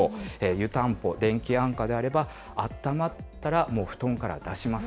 湯たんぽ、電気あんかであれば、あったまったら、もう布団から出します。